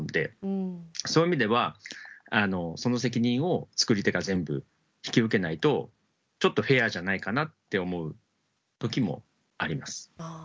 そういう意味ではその責任を作り手が全部引き受けないとちょっとフェアじゃないかなって思う時もあります。